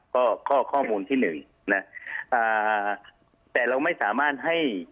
ก็ข้อข้อมูลที่หนึ่งนะอ่าแต่เราไม่สามารถให้